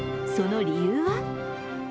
その理由は？